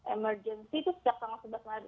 emergency itu sejak tanggal sebelas maret